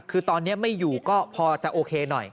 คือตอนนี้ไม่อยู่ก็พอจะโอเคหน่อย